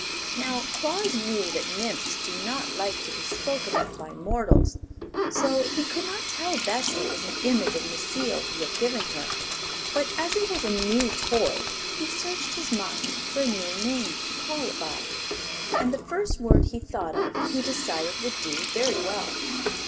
Now Claus knew that Nymphs do not like to be spoken of by mortals, so he could not tell Bessie it was an image of Necile he had given her. But as it was a new toy he searched his mind for a new name to call it by, and the first word he thought of he decided would do very well.